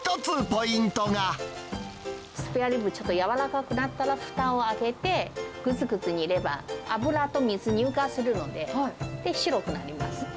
スペアリブ、ちょっとやわらかくなったらふたを開けて、ぐつぐつ煮れば、脂と水が乳化するので、白くなります。